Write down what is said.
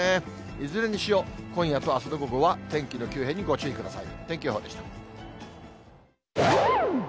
いずれにせよ、今夜とあすの午後は天気の急変にご注意ください。